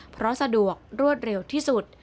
เพราะสะดวกรวดเร็วที่สุด